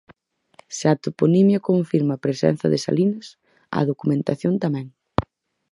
Se a toponimia confirma a presenza de salinas, a documentación tamén.